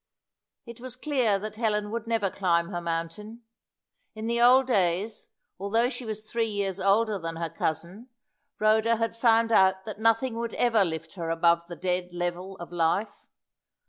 It was clear that Helen would never climb her mountain. In the old days, although she was three years older than her cousin, Rhoda had found out that nothing would ever lift her above the dead level of life.